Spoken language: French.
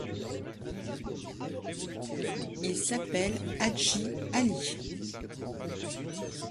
Il s'appelle Hadji Ali...